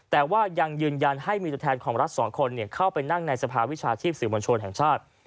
แต่ว่ายังยืนยันให้มีตัวแทนของรัฐสองคนเข้าไปนั่งในสภาวิชาชีพสื่อมวลชนแห่งชาติ